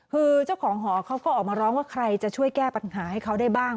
คือเจ้าของหอเขาก็ออกมาร้องว่าใครจะช่วยแก้ปัญหาให้เขาได้บ้าง